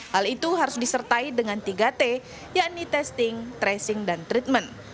hal itu harus disertai dengan tiga t yakni testing tracing dan treatment